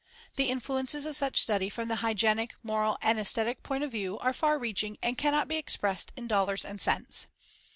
The influences of such study from the hygienic, moral and aesthetic point of view are far reaching and cannot be expressed in dollars and cents.